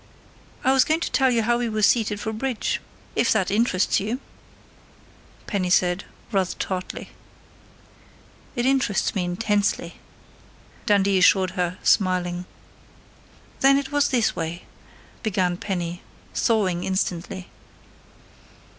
"I was going to tell you how we were seated for bridge, if that interests you," Penny said, rather tartly. "It interests me intensely," Dundee assured her, smiling. "Then it was this way," began Penny, thawing instantly.